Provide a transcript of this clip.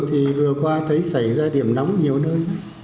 thì vừa qua thấy xảy ra điểm nóng nhiều nơi